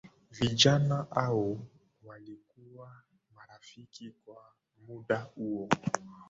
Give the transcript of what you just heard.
vijana hao walikuwa marafiki kwa muda huo